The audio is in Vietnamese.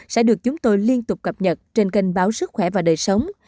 sẽ được chúng tôi liên tục cập nhật trên kênh báo sức khỏe và đời sống